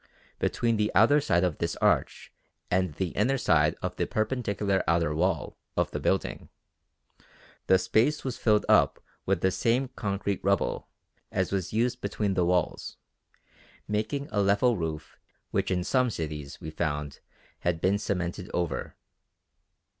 Between the outer side of this arch and the inner side of the perpendicular outer wall of the building the space was filled up with the same concrete rubble as was used between the walls, making a level roof which in some cities we found had been cemented over.